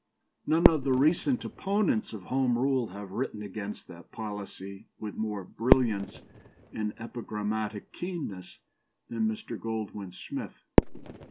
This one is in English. None of the recent opponents of Home Rule have written against that policy with more brilliance and epigrammatic keenness than Mr. Goldwin Smith.